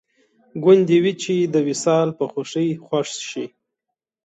ګوندې وي چې د وصال په خوښۍ خوښ شي